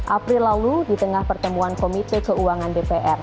april lalu di tengah pertemuan komite keuangan dpr